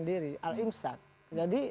diri al imsad jadi